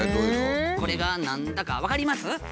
これが何だか分かります？